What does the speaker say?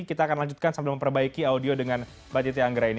kita akan lanjutkan sambil memperbaiki audio dengan mbak titi anggra ini